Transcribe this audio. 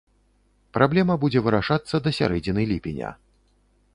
Праблема будзе вырашацца да сярэдзіны ліпеня.